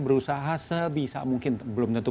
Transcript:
berusaha sebisa mungkin belum tentu